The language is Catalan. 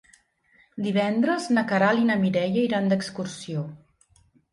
Divendres na Queralt i na Mireia iran d'excursió.